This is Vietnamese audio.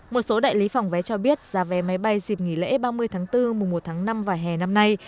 một số đại lý phòng vé cho biết giá vé máy bay dịp nghỉ lễ ba mươi tháng bốn mùa một tháng năm và hè năm nay